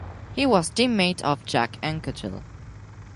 He was teammate of Jacques Anquetil.